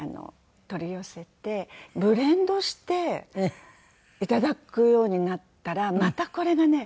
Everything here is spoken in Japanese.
ブレンドして頂くようになったらまたこれがね